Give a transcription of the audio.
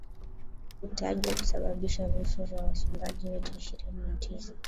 utajwa kusababisha vifo vya wachimbaji wote ishirini na tisa